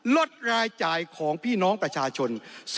ลดรายจ่ายของพี่น้องประชาชน